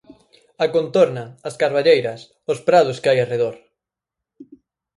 A contorna, as carballeiras, os prados que hai arredor.